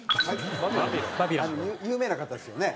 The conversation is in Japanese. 有名な方ですよね？